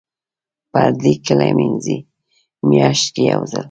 پردې کله مینځئ؟ میاشت کې یوځل